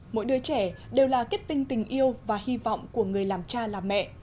mỗi đứa trẻ đều là kết tinh tình yêu và hy vọng của người làm cha làm mẹ